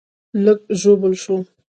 لږ ژوبل شوم